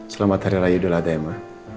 selamat hari raya doa ada ya ma